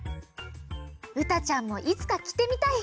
うたちゃんもいつかきてみたい